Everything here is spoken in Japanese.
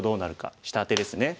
下アテですね。